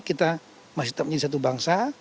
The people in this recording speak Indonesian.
kita masih tetap menjadi satu bangsa